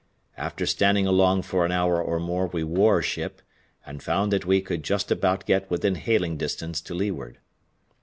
After standing along for an hour or more we wore ship, and found that we could just about get within hailing distance to leeward.